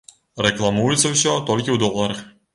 Рэкламуецца ўсё толькі ў доларах.